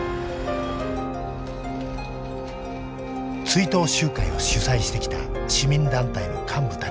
追悼集会を主催してきた市民団体の幹部たちも逮捕。